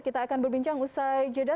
kita akan berbincang usai jeda